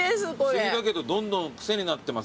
不思議だけどどんどん癖になってますね。